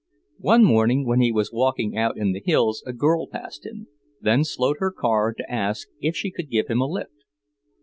One morning when he was walking out in the hills a girl passed him, then slowed her car to ask if she could give him a lift.